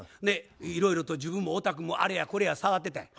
いろいろと自分も太田君もあれやこれや触ってたんや。